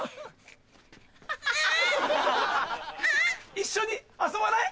一緒に遊ばない？